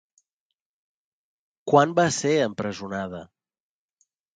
Quan va ser empresonada?